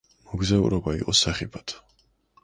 მოგზაურობა იყო სახიფათო.